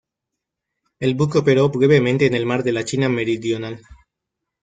El buque operó brevemente en el Mar de la China Meridional.